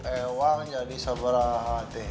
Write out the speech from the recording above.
ewang jadi sabaraha teh